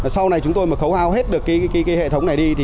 sau này chúng tôi mà khấu hao hết được hệ thống này đi